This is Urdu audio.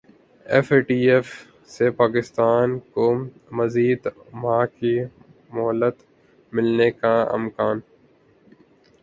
ایف اے ٹی ایف سے پاکستان کو مزید ماہ کی مہلت ملنے کا امکان